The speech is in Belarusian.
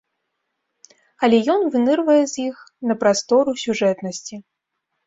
Але ён вынырвае з іх на прастору сюжэтнасці.